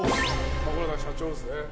これは社長ですね。